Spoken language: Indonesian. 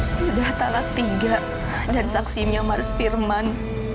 sudah talak tiga dan saksi miamars firman